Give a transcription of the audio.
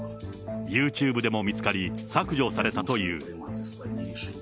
ユーチューブでも見つかり、削除されたという。